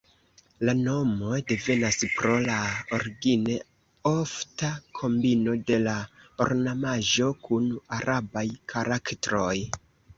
La nomo devenas pro la origine ofta kombino de la ornamaĵo kun arabaj karaktroj.